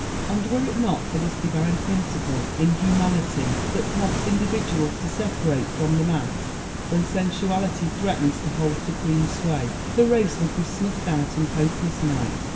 And were it not for this divine principle in humanity that prompts individuals to separate from the mass when sensuality threatens to hold supreme sway, the race would be snuffed out in hopeless night.